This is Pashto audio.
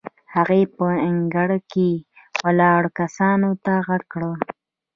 هغې په انګړ کې ولاړو کسانو ته غږ کړ.